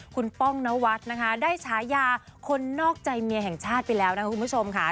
คุณป้องนวัดนะคะได้ฉายาคนนอกใจเมียแห่งชาติไปแล้วนะคุณผู้ชมค่ะ